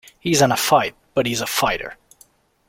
He's in a fight, but he's a fighter.